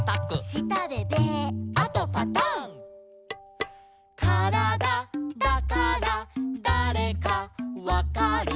「したでベー」「あとパタン」「からだだからだれかわかる」